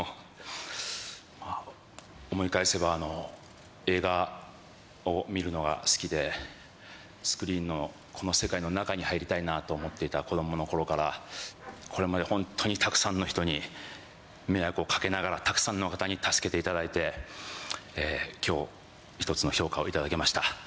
まあ、思い返せば映画を見るのが好きで、スクリーンのこの世界の中に入りたいなと思っていた子どものころから、これまで本当にたくさんの人に迷惑をかけながら、たくさんの方に助けていただいて、きょう、一つの評価を頂けました。